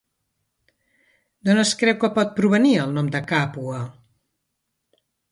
D'on es creu que pot provenir el nom de Càpua?